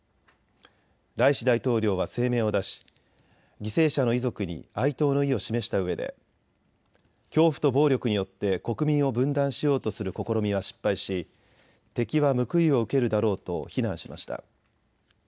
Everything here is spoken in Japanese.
ライシ大統領は声明を出し犠牲者の遺族に哀悼の意を示したうえで恐怖と暴力によって国民を分断しようとする試みは失敗し敵は報いを受けるだろうと非難しました。